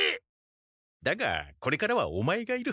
だがこれからはオマエがいる。